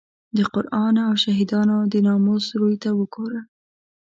د قران او شهیدانو د ناموس روی ته وګوره.